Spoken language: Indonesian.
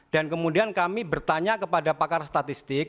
dan kemudian kami bertanya kepada pakar statistik